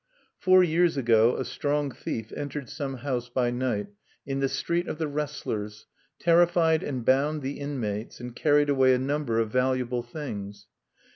Four years ago a strong thief entered some house by night in the Street of the Wrestlers, terrified and bound the inmates, and carried away a number of valuable things.